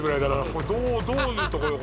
これどういうとこよ